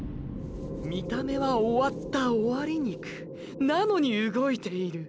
見た目は終わった「終了筋肉」なのに動いている。